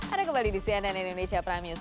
ada kembali di cnn indonesia prime news